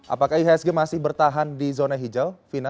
apakah ihsg masih bertahan di zona hijau vina